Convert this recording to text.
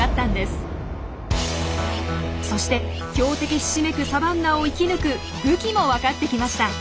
そして強敵ひしめくサバンナを生き抜く武器もわかってきました。